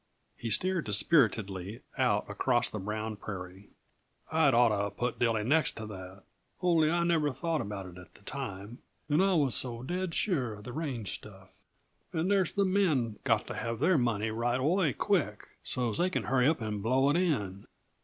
He stared dispiritedly out across the brown prairie. "I'd oughta put Dilly next to that, only I never thought about it at the time, and I was so dead sure the range stuff And there's the men, got to have their money right away quick, so's they can hurry up and blow it in!